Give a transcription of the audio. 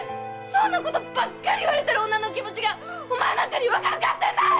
そんなことばっかり言われてる女の気持ちがお前なんかに分かるかってんだい！